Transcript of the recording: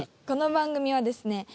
この番組はですね